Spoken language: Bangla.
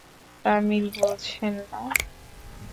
তামিল বোঝেন না?